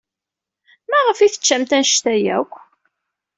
Maɣef ay teččamt anect-a akk?